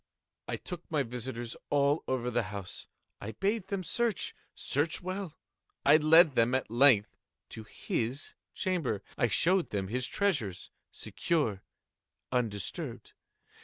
I took my visitors all over the house. I bade them search—search well. I led them, at length, to his chamber. I showed them his treasures, secure, undisturbed.